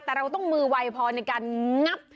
แต่เราต้องมือไวพอในการงับ